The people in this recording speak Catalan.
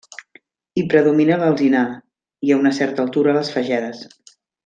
Hi predomina l'alzinar i, a una certa altura, les fagedes.